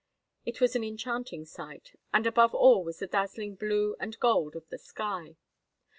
It was an enchanting sight; and above all was the dazzling blue and gold of the sky.